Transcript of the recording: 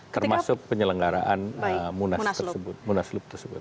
termasuk penyelenggaraan munaslup tersebut